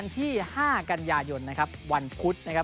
ที่๕กันยายนวันพุธนะครับ